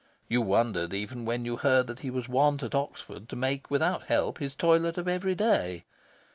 You wondered even when you heard that he was wont at Oxford to make without help his toilet of every day.